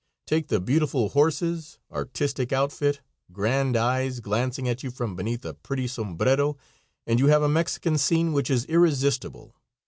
Take the beautiful horses, artistic outfit, grand eyes glancing at you from beneath a pretty sombrero, and you have a Mexican scene which is irresistible.